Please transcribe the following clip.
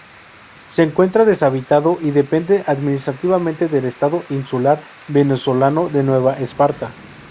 Se encuentra deshabitado y depende administrativamente del Estado insular venezolano de Nueva Esparta.